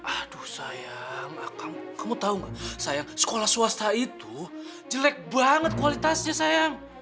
aduh sayang kamu tahu nggak sayang sekolah swasta itu jelek banget kualitasnya sayang